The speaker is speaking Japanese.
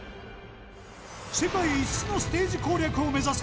世界５つのステージ攻略を目指せ！